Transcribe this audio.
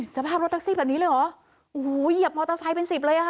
สภาพรถแท็กซี่แบบนี้เลยเหรอโอ้โหเหยียบมอเตอร์ไซค์เป็นสิบเลยอ่ะค่ะ